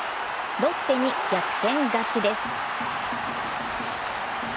ロッテに逆転勝ちです。